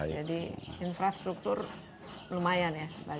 jadi infrastruktur lumayan ya